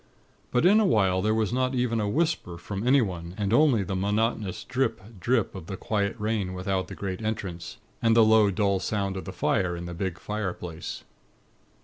But in a while there was not even a whisper from anyone, and only the monotonous drip, drip of the quiet rain without the great entrance, and the low, dull sound of the fire in the big fireplace.